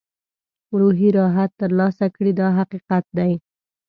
روحي راحت ترلاسه کړي دا حقیقت دی.